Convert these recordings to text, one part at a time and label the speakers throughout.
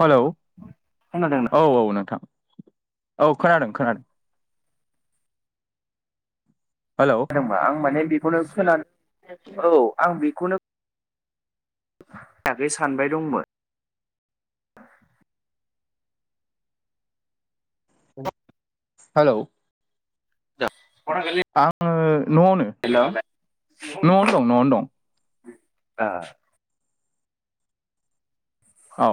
Speaker 1: Hello
Speaker 2: खोनादोंना
Speaker 1: औ औ नोंथां औ खोनादों खोनादों हेल'
Speaker 2: आं माने बेखौनो खोना औ आं बेखौनो सानबाय दंमोन [inaudible]
Speaker 1: हेलौ
Speaker 2: [unintelligible]
Speaker 1: आङो न'आवनो
Speaker 2: हेल'
Speaker 1: न'आवनो दं न'आवनो दं औ।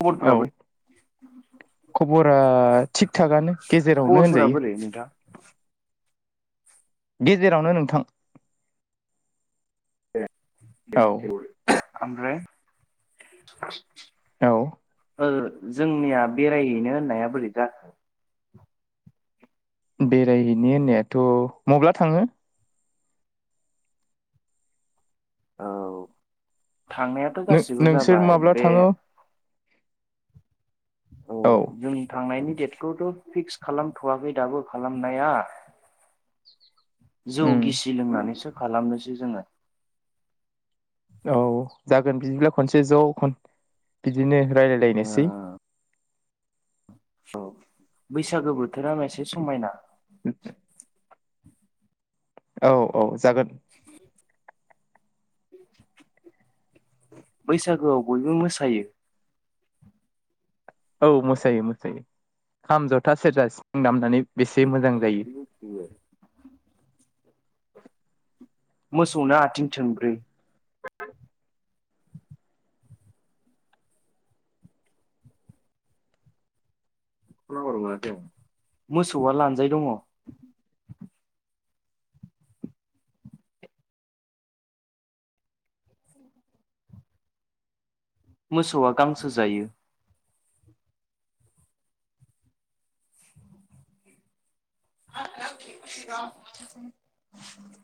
Speaker 2: खबरफोरा
Speaker 1: औ
Speaker 2: बोरै
Speaker 1: खबरा थिग थागानो गेजेरावनो होनजायो।
Speaker 2: [unintelligible]
Speaker 1: गेजेरावनो नोंथां।
Speaker 2: ए
Speaker 1: औ
Speaker 2: बेे ओमफ्राय।
Speaker 1: औ।
Speaker 2: ओ जोंनिया बेरायहैनो होननाया बोरै जाखो?
Speaker 1: बेरायहैनो होननायाथ' मब्ला थाङो।
Speaker 2: औ थांनायाथ'
Speaker 1: नों
Speaker 2: गासिबो
Speaker 1: नोंसोर
Speaker 2: जाबाय
Speaker 1: माब्ला
Speaker 2: बे
Speaker 1: थाङो
Speaker 2: औ जों थांनायनि डेटखौथ' फिक्स खालामथ'वाखै दाबो खालामनाया। जौ
Speaker 1: उम
Speaker 2: गिसि लोंनानैसो खालामनोसै जोङो।
Speaker 1: औ जागोन बिदिब्ला खनसे जौ खन बिदिनो
Speaker 2: ओ
Speaker 1: राय्लायलायनोसै।
Speaker 2: औ बैसागो बोथोरा मासे समायना।
Speaker 1: [unintelligible] औ औ जागोन।
Speaker 2: [inaudible] बैसागोआव बयबो मोसायो।
Speaker 1: औ मोसायो मोसायो खाम जथा सेरजा सिफुं दामनानै बेसे मोजां जायो।
Speaker 2: [unintelligible] मोसौना आथिं थोंब्रै। [unintelligible] मोसौआ लानजाइ दङ। मोसौआ गांसो जायो। [unintelligible]